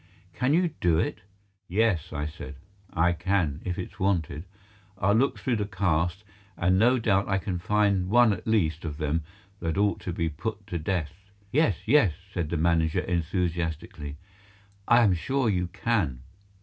Can you do it?" "Yes," I said, "I can, if it's wanted. I'll look through the cast, and no doubt I can find one at least of them that ought to be put to death." "Yes, yes," said the manager enthusiastically, "I am sure you can."